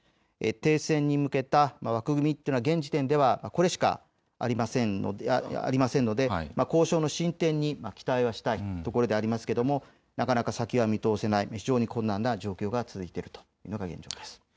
停戦に向けた枠組みというのは現時点ではこれしかありませんので、交渉の進展に期待はしたいところではありますがなかなか先が見通せない、非常に困難な状況が続いているというのが現状です。